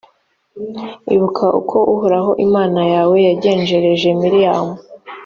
ibuka uko uhoraho imana yawe yagenjereje miriyamu.